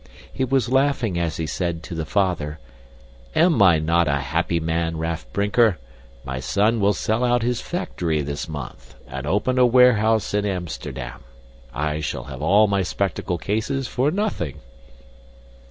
He was laughing as he said to the father, "Am I not a happy man, Raff Brinker? My son will sell out his factory this month and open a warehouse in Amsterdam. I shall have all my spectacle cases for nothing."